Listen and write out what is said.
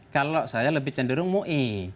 kalau saya lebih cenderung mui